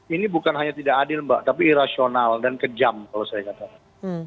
ini bukan hanya tidak adil mbak tapi irasional dan kejam kalau saya katakan